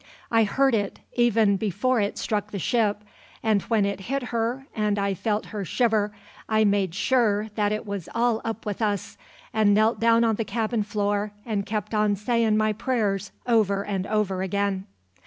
I heard it, even before it struck the ship; and when it hit her, and I felt her shiver, I made sure that it was all up with us, and I knelt down on the cabin floor and kept on sayin' my prayers, over and over again.